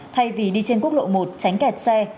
thay vì đi trên quốc lộ một tránh kẹt xe